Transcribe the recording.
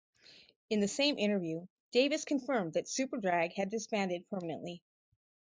In the same interview, Davis confirmed that Superdrag had disbanded permanently.